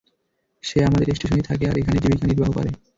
সে আমাদের স্টেশনেই থাকে আর এখানেই জীবিকা নির্বাহ করে।